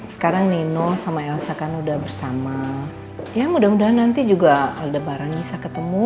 sekarang nino sama elsa kan udah bersama ya mudah mudahan nanti juga ada barang bisa ketemu